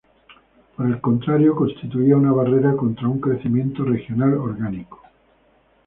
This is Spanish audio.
Por el contrario, constituía una barrera contra un crecimiento regional orgánico.